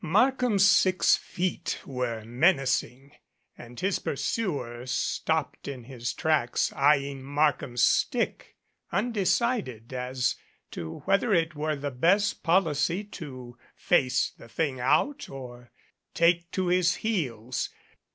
Markham's six feet were menacing, and his pursuer stopped in his tracks, eyeing Markham's stick, undecided as to whether it were the best policy to face the thing out or take to his heels.